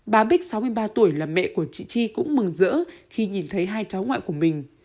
bà bích sáu mươi ba tuổi là mẹ của chị chi cũng mừng rỡ khi nhìn thấy hai cháu ngoại của mình